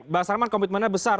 mbak sarman komitmennya besar